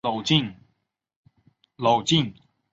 娄敬说的没错。